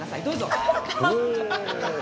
どうぞ。